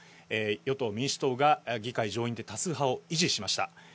与党・民主党が議会上院で多数派を維持しました。